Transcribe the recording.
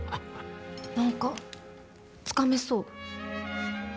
何かつかめそう。